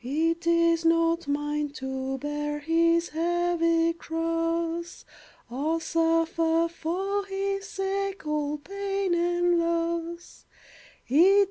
It is not mine to bear His heavy cross, Or suffer, for his sake, All pain and loss.